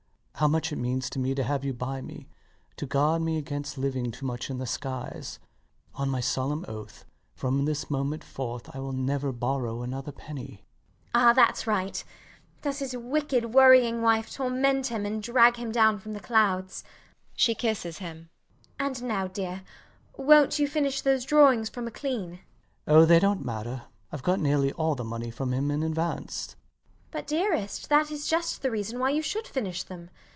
how much it means to me to have you by me to guard me against living too much in the skies. On my solemn oath, from this moment forth I will never borrow another penny. MRS DUBEDAT [delighted] Ah, thats right. Does his wicked worrying wife torment him and drag him down from the clouds? [She kisses him]. And now, dear, wont you finish those drawings for Maclean? LOUIS. Oh, they dont matter. Ive got nearly all the money from him in advance. MRS DUBEDAT. But, dearest, that is just the reason why you should finish them.